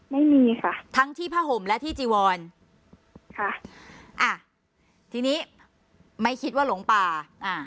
ไม่มีค่ะทั้งที่ผ้าห่มและที่จีวรค่ะอ่ะทีนี้ไม่คิดว่าหลงป่าอ่า